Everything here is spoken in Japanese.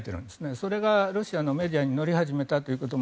それがロシアのメディアに載り始めたことも